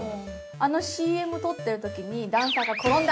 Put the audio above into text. ◆あのＣＭ撮ってるときに、ダンサーが転んだ。